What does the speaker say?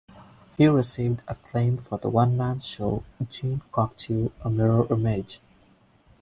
He received acclaim for the one-man show "Jean Cocteau-A Mirror Image".